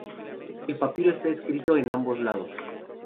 El papiro está escrito en ambos lados.